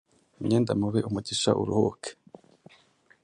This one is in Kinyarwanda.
Imyenda mibi; umugisha uruhuke.